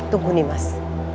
tunggu nih mas